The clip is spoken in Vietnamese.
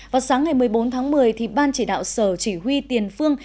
vào sáng ngày một mươi bốn tháng một mươi ban chỉ đạo sở chỉ huy tiền phương